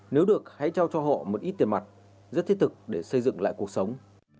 nếu được hãy trao cho họ một ít tiền mặt rất thiết thực để xây dựng lại cuộc sống